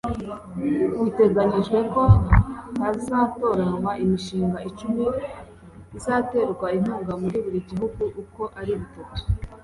Biteganyijwe ko hazatoranywa imishinga icumi izaterwa inkunga muri buri gihugu uko ari bitatu